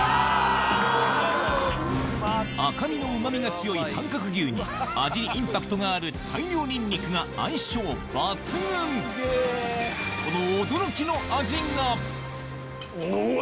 赤身のうま味が強い短角牛に味にインパクトがある大量ニンニクが相性抜群うわ！